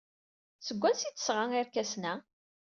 Seg wansi ay d-tesɣa irkasen-a?